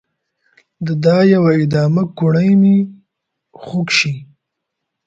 د دا يوه ادامه کوڼۍ مې خوږ شي